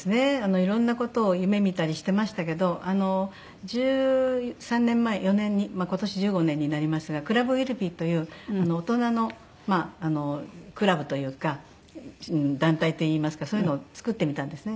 いろんな事を夢見たりしてましたけど１３年前１４年に今年１５年になりますがクラブ・ウィルビーという大人のクラブというか団体といいますかそういうのを作ってみたんですね。